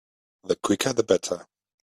The quicker the better.